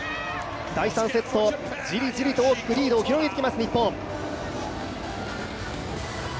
第３セット、じりじりと大きくリードを広げてきます日本。